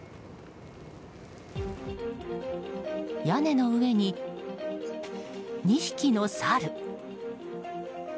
屋根の上に２匹のサル。